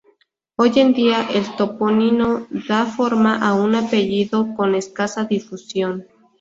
Hoy en día, el topónimo da forma a un apellido con escasa difusión.